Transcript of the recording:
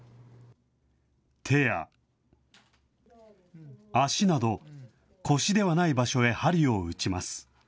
手や足など、腰ではない場所へはりを打ちます。